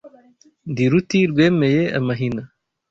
Ndi ruti rwemeye amahina